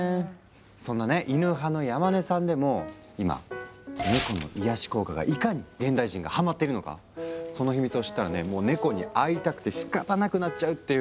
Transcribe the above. そんなねイヌ派の山根さんでも今ネコの癒やし効果がいかに現代人がハマってるのかその秘密を知ったらねもうネコに会いたくてしかたなくなっちゃうっていう。